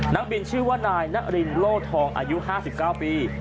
นักบินชื่อว่านายนารินโล่ทองอายุ๕๙ปี